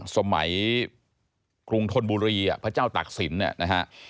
สมัยกรุงทนบุรีพระเจ้าตักศิลป์